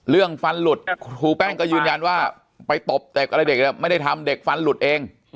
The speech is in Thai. เรื่องฟันหลุดครูแป้งก็ยืนยันว่าไปตบเด็กอะไรเด็กไม่ได้ทำเด็กฟันหลุดเอง